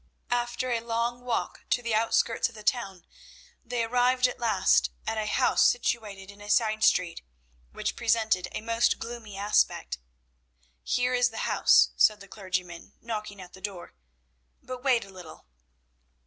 After a long walk to the outskirts of the town, they arrived at last at a house situated in a side street, which presented a most gloomy aspect. "Here is the house," said the clergyman, knocking at the door, "but wait a little."